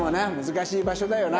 難しい場所だよな。